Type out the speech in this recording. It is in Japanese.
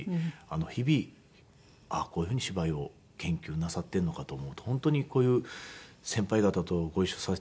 日々こういうふうに芝居を研究なさっているのかと思うと本当にこういう先輩方とご一緒させて頂く